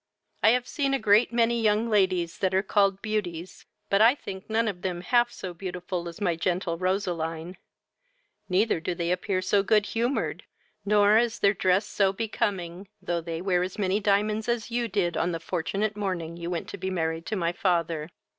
I have seen a great many young ladies that are called beauties; but I think none of them half so beautiful as my gentle Roseline; neither do they appear so good humoured, nor is their dress so becoming, though they wear as many diamonds as you did on the fortunate morning you went to be married to my father.